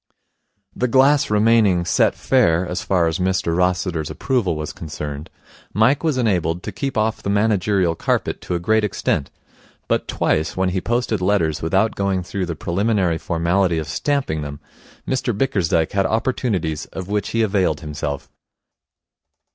The glass remaining Set Fair as far as Mr Rossiter's approval was concerned, Mike was enabled to keep off the managerial carpet to a great extent; but twice, when he posted letters without going through the preliminary formality of stamping them, Mr Bickersdyke had opportunities of which he availed himself.